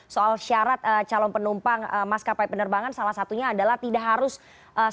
soal syarat calon penumpang maskapai penerbangan salah satunya adalah tidak harus swab test ataupun pcr lagi tapi